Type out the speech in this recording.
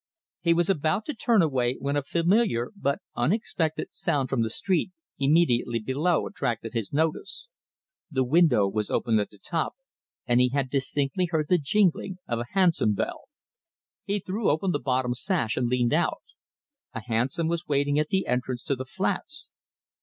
He was about to turn away when a familiar, but unexpected, sound from the street immediately below attracted his notice. The window was open at the top, and he had distinctly heard the jingling of a hansom bell. He threw open the bottom sash and leaned out. A hansom cab was waiting at the entrance to the flats.